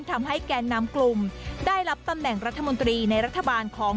แกนนำกลุ่มได้รับตำแหน่งรัฐมนตรีในรัฐบาลของ